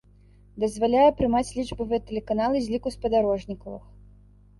Дазваляе прымаць лічбавыя тэлеканалы з ліку спадарожнікавых.